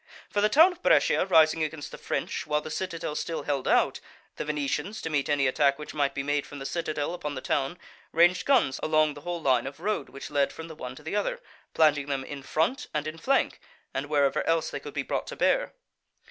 For the town of Brescia rising against the French while the citadel still held out, the Venetians, to meet any attack which might be made from the citadel upon the town, ranged guns along the whole line of road which led from the one to the other, planting them in front, and in flank, and wherever else they could be brought to bear.